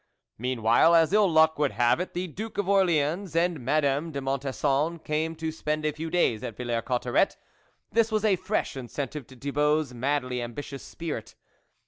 Meanwhile, as ill luck would have it, the Duke of Orleans and Madame de Mon tesson came to spend a few days at Villers Cotterets. This was a fresh in centive to Thibault's madly ambitious spirit.